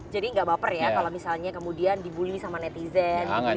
jadi nggak baper ya kalau misalnya kemudian dibully sama netizen dibully sama masyarakat